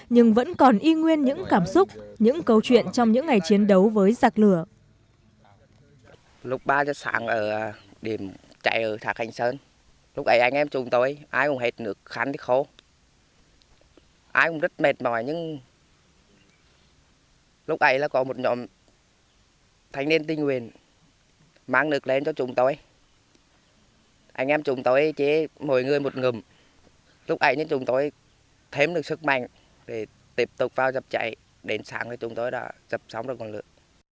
nhưng vẫn còn y nguyên những cảm xúc những câu chuyện trong những ngày chiến đấu với rạc lửa